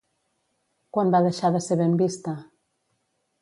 Quan va deixar de ser ben vista?